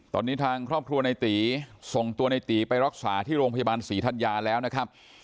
ตอนนี้ทางครอบครัวในตีส่งตัวในตีไปรักษาที่โรงพยาบาลศรีธัญญาแล้วนะครับ